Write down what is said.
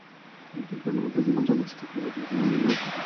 আমি শুধু, আমার জীবনটা নষ্ট করায় আপনাকে ধন্যবাদ জানাতে এসেছি।